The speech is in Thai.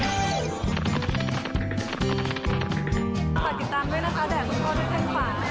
ฝากกินตามด้วยนะคะแด่งพ่อด้วยทางขวา